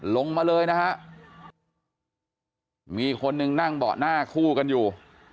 ลงมาเลยนะฮะมีคนหนึ่งนั่งเบาะหน้าคู่กันอยู่